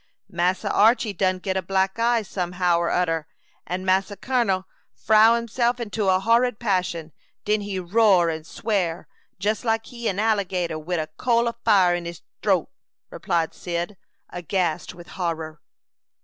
"Massa Archy done git a black eye some how or oder, and Massa Kun'l frow 'imself into a horrid passion. Den he roar and swear jes like an alligator wid a coal o' fire in 'is troat," replied Cyd, aghast with horror.